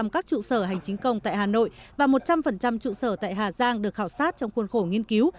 chín mươi bảy sáu các trụ sở hành chính công tại hà nội và một trăm linh trụ sở tại hà giang được khảo sát trong khuôn khổ nghiên cứu